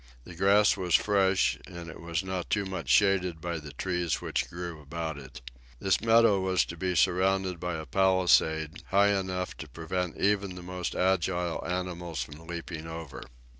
The grass was fresh, and it was not too much shaded by the trees which grew about it. This meadow was to be surrounded by a palisade, high enough to prevent even the most agile animals from leaping over.